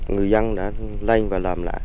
người dân lên và làm lại